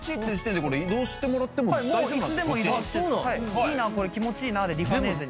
いいなこれ気持ちいいなでリファネーゼに。